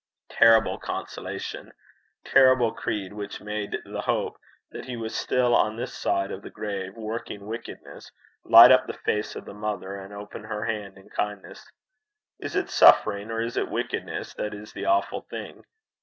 Terrible consolation! Terrible creed, which made the hope that he was still on this side of the grave working wickedness, light up the face of the mother, and open her hand in kindness. Is it suffering, or is it wickedness, that is the awful thing?